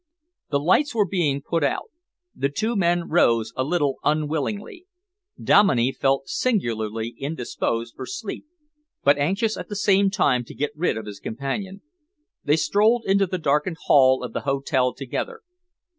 The lights were being put out. The two men rose a little unwillingly. Dominey felt singularly indisposed for sleep, but anxious at the same time to get rid of his companion. They strolled into the darkened hall of the hotel together.